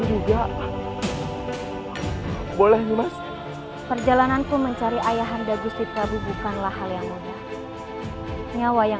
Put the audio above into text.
nyawa yang anggun dan yang berpengalaman untuk mencari ayah anda gusti prabu bukanlah hal yang mudah